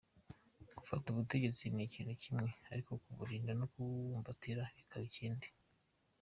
Gufata ubutegetsi ni ikintu kimwe ariko kuburinda no kububumbatira kikaba ikindi.